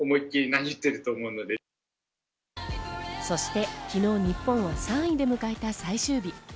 そして昨日、日本は３位で迎えた最終日。